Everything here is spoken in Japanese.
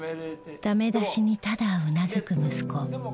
ダメ出しにただうなずく息子。